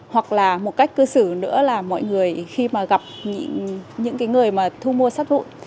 hoặc là một cách cư xử nữa là mọi người khi mà gặp những người mà thu mua sát hụt